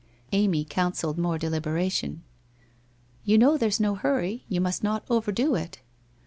Amy counselled more deliberation. 1 You know there's no hurry. You must not overdo it.'